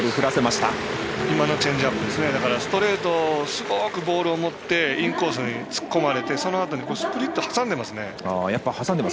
すごくボールを持ってインコースに突っ込まれてそのあとにスプリット挟んでますね。